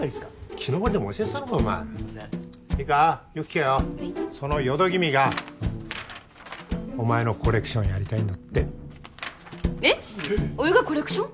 木登りでも教えてたのかお前すいませんいいかよく聞けよはいその淀君がお前のコレクションやりたいんだってえっおいがコレクション！？